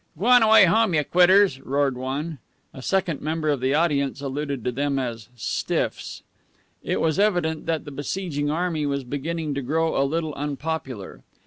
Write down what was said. "G'wan away home, ye quitters!" roared one. A second member of the audience alluded to them as "stiffs." It was evident that the besieging army was beginning to grow a little unpopular.